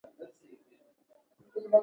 هغې د آرمان تر سیوري لاندې د مینې کتاب ولوست.